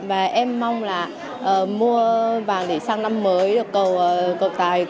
và em mong là mua vàng để sang năm mới